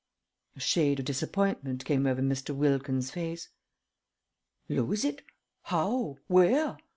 A shade of disappointment came over Mr. Wilkins's face. "Lose it? How? Where?"